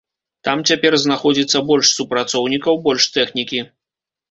Там цяпер знаходзіцца больш супрацоўнікаў, больш тэхнікі.